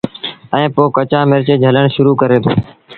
ائيٚݩ پو ڪچآ مرچ جھلڻ شرو ڪري دو